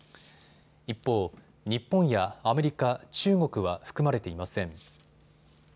一方、日本やアメリカ、中国は含まれていません。